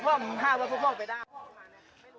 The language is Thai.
เพราะว่ามันค่าว่าพวกเราไปได้